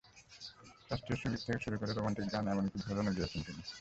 শাস্ত্রীয় সংগীত থেকে শুরু করে রোমান্টিক গান, এমনকি ভজনও গেয়েছেন তিনি।